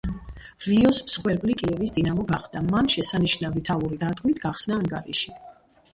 რიოს მსხვერპლი „კიევის დინამო“ გახდა, მან შესანიშნავი თავური დარტყმით გახსნა ანგარიში.